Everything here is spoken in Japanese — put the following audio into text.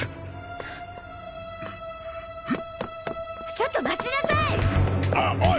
ちょっと待ちなさい！